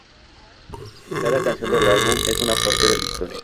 Cada canción del álbum es una parte de la historia.